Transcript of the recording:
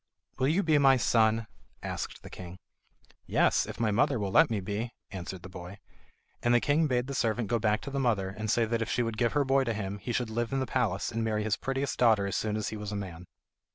"Will you be my son?" asked the king. "Yes, if my mother will let me," answered the boy. And the king bade the servant go back to the mother and say that if she would give her boy to him, he should live in the palace and marry his prettiest daughter as soon as he was a man.